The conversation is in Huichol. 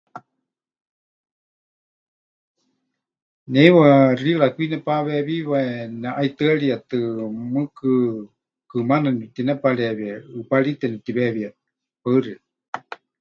Ne heiwa xiira kwi nepaweewiwe, neʼaitɨ́arietɨ, mɨɨkɨ kɨmaana nepɨtinepareewie, ʼɨparíte netiweewíetɨ. Paɨ xeikɨ́a.